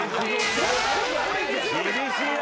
厳しいな。